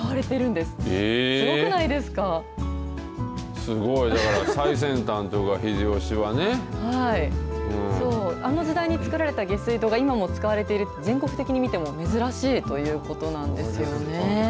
だから、最先端というか、秀吉はそう、あの時代に造られた下水道が今も使われてるというのは、全国的に見ても珍しいということなんですよね。